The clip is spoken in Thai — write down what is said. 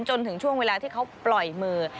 จนถึงช่วงเวลาที่เขาปล่อยมือ